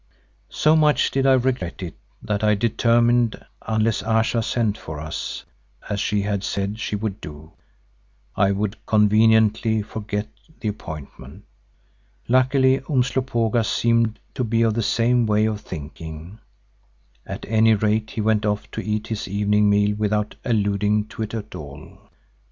So much did I regret it that I determined, unless Ayesha sent for us, as she had said she would do, I would conveniently forget the appointment. Luckily Umslopogaas seemed to be of the same way of thinking; at any rate he went off to eat his evening meal without alluding to it at all.